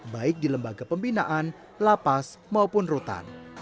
baik di lembaga pembinaan lapas maupun rutan